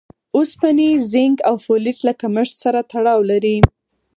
اوسپنې، زېنک او فولېټ له کمښت سره تړاو لري.